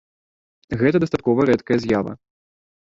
Гэта дастаткова рэдкая з'ява.